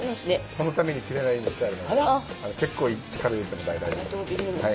そのために切れないようにしてあるので結構力入れて問題ないです。